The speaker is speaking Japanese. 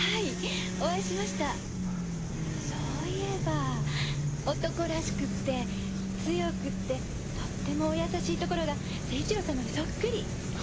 お会いしましたそう言えば男らしくて強くてお優しいところが誠一郎様にそっくり！